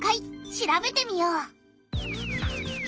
調べてみよう。